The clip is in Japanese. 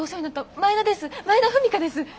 前田風未香です。